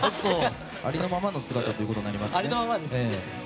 ありのままの姿ということになりますね。